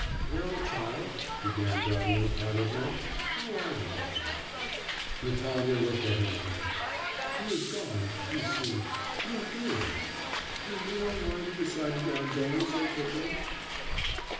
'Well, child,' began Darya Mihailovna, 'how are you to day?' Natalya looked at her mother. 'He is gone, you see... your hero. Do you know why he decided on going so quickly?